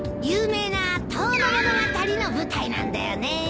有名な『遠野物語』の舞台なんだよね。